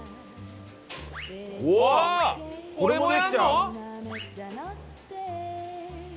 これもできちゃう！